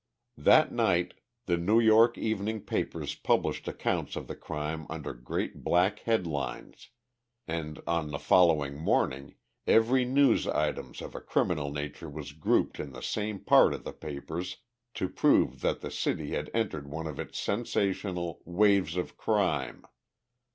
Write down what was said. That night the New York evening papers published accounts of the crime under great black headlines, and on the following morning every news item of a criminal nature was grouped in the same part of the papers to prove that the city had entered one of its sensational "waves of crime."